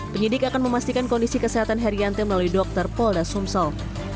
penyidik akan memastikan kondisi kesehatan herianti melalui dokter polda sumsel